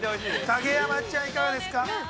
◆影山ちゃん、いかがですか？